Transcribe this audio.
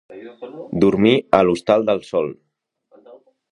Dormir a l'hostal del sol.